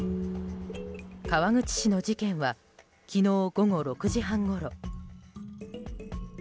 川口市の事件は昨日午後６時半ごろ。